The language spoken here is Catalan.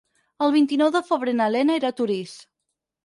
El vint-i-nou de febrer na Lena irà a Torís.